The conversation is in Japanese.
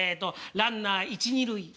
ランナー一二塁ねっ